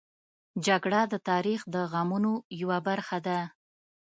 جګړه د تاریخ د غمونو یوه برخه ده